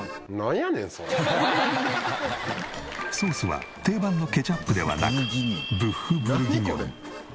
ソースは定番のケチャップではなくブッフ・ブルギニョン。